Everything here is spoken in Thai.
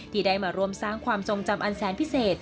ที่ได้มาร่วมสร้างความทรงจำอันแสนพิเศษ